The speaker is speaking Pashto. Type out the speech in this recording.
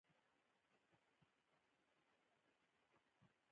په ښار کې د ولایت له لوري زنګ ووهل شو.